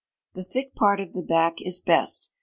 The thick part of the back is best.